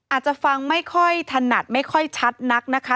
อาจจะฟังไม่ค่อยถนัดไม่ค่อยชัดนักนะคะ